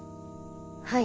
はい。